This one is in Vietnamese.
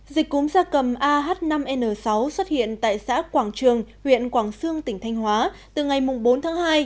dịch cúm gia cầm ah năm n sáu xuất hiện tại xã quảng trường huyện quảng sương tỉnh thanh hóa từ ngày bốn tháng hai